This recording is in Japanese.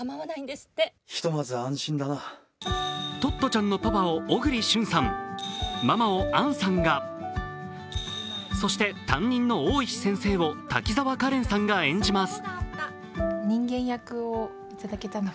トットちゃんのパパを小栗旬さん、ママを杏さんが、そして、担任の大石先生を滝沢カレンさんが演じます。